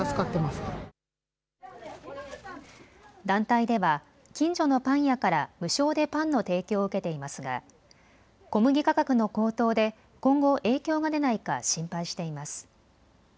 団体では近所のパン屋から無償でパンの提供を受けていますが小麦価格の高騰で今後、影響が出ないか心配しています。